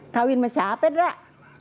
kauin sama siapa drak